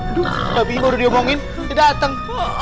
aduh babi ini udah diomongin dia dateng